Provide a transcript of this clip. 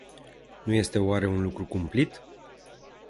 Nu este oare un lucru cumplit?